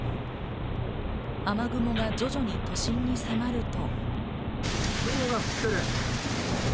雨雲が徐々に都心に迫ると。